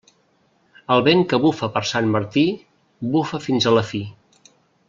El vent que bufa per Sant Martí, bufa fins a la fi.